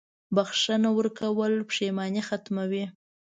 • بښنه ورکول پښېماني ختموي.